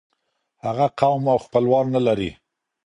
هغه قوم او خپلوان نلري.